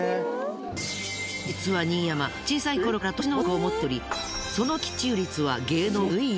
実は新山小さい頃から透視能力を持っておりその的中率は芸能界随一。